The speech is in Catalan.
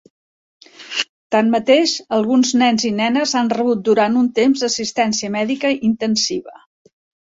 Tanmateix, alguns nens i nenes han rebut durant un temps assistència mèdica intensiva.